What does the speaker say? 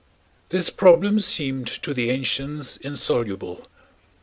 This problem seemed to the ancients insoluble.